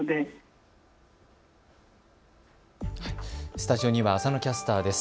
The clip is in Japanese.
スタジオには浅野キャスターです。